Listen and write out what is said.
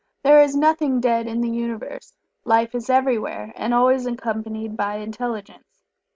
There is nothing dead in the Universe. Life is everywhere, and always accompanied by intelligence.